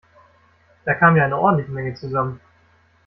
Da kam ja eine ordentliche Menge zusammen!